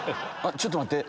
ちょっと待って！